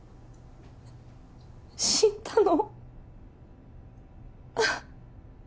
死んだの？